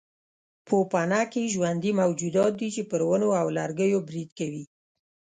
پوپنکي ژوندي موجودات دي چې پر ونو او لرګیو برید کوي.